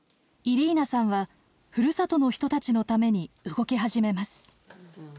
イリーナさんはふるさとの人たちのために動き始めます。